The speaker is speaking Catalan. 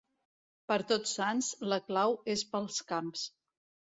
Per Tots Sants, la clau és pels camps.